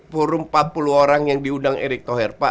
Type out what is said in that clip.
forum empat puluh orang yang diundang erik thoher